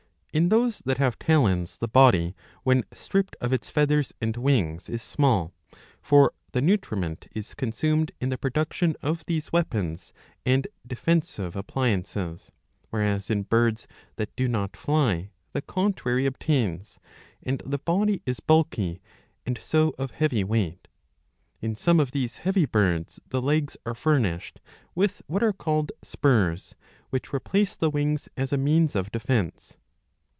In those that have talons the body, when stripped of [its feathers and] wings, is small ; for the nutriment is con sumed ^^ in the production of these weapons and defensive ap pliances; whereas in birds that do not fly the contrary obtains, and the body is bulky and so of heavy weight. In some of these heavy birds the legs are furnished with what are called spurs, which replace the wings as a means of defence.